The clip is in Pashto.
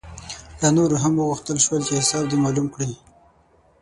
له نورو هم وغوښتل شول چې حساب دې معلوم کړي.